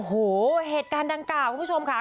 โอ้โหเหตุการณ์ดังกล่าวคุณผู้ชมค่ะ